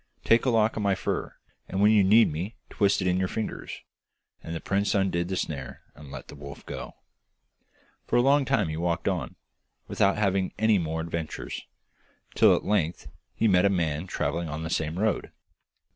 Take a lock of my fur, and when you need me twist it in your fingers.' And the prince undid the snare and let the wolf go. For a long time he walked on, without having any more adventures, till at length he met a man travelling on the same road.